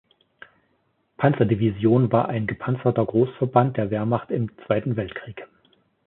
Panzer-Division war ein gepanzerter Großverband der Wehrmacht im Zweiten Weltkrieg.